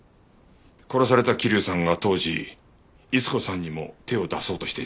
殺された桐生さんが当時逸子さんにも手を出そうとしていたって。